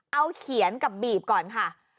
เอาเขียนกับบีบก่อนค่ะ